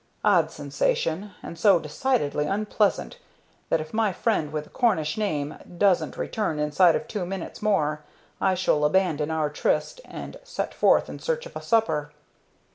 Odd sensation, and so decidedly unpleasant that if my friend with the Cornish name doesn't return inside of two minutes more I shall abandon our tryst and set forth in search of a supper."